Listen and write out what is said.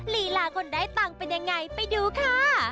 ลีลาคนได้ตังค์เป็นยังไงไปดูค่ะ